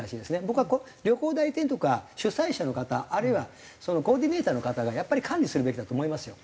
僕は旅行代理店とか主催者の方あるいはそのコーディネーターの方がやっぱり管理するべきだと思いますよ。